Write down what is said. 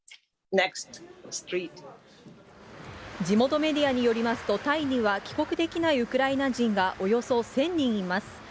地元メディアによりますと、タイには帰国できないウクライナ人がおよそ１０００人います。